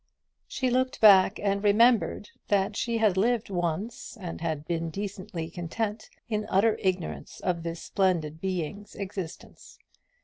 She looked back, and remembered that she had lived once, and had been decently contented, in utter ignorance of this splendid being's existence.